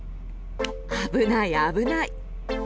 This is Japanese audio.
危ない、危ない！